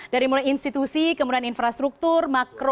dari mulai institusi kemudian infrastruktur makro